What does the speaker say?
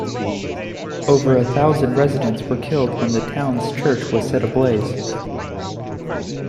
Over a thousand residents were killed when the town's church was set ablaze.